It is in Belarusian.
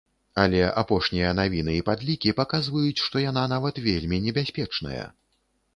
Але апошнія навіны і падлікі паказваюць, што яна нават вельмі небяспечная.